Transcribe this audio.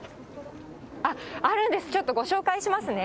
あるんです、ちょっとご紹介しますね。